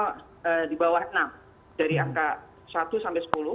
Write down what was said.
polri itu masih di bawah enam dari angka satu sampai sepuluh